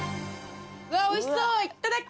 うわっおいしそう！